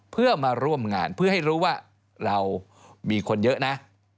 เพื่อมาร่วมงานเพื่อให้รู้ว่าเรามีคนเยอะนะ